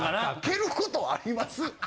蹴ることあります？